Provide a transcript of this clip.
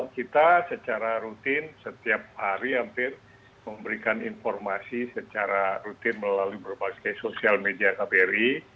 kita secara rutin setiap hari hampir memberikan informasi secara rutin melalui berbagai sosial media kbri